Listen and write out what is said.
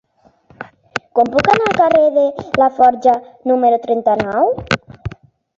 Com puc anar al carrer de Laforja número trenta-nou?